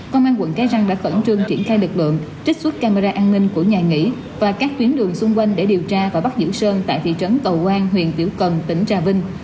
công an quận cái răng đã khẩn trương triển khai lực lượng trích xuất camera an ninh của nhà nghỉ và các tuyến đường xung quanh để điều tra và bắt giữ sơn tại thị trấn cầu quang huyện tiểu cần tỉnh trà vinh